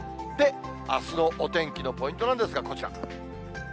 あすのお天気のポイントなんですが、こちら。